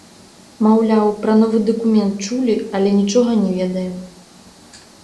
Маўляў, пра новы дакумент чулі, але нічога не ведаем.